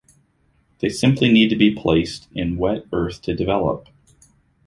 They simply need to be placed in wet earth to develop.